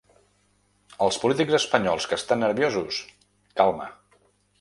Als polítics espanyols que estan nerviosos, calma.